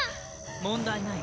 問題ない。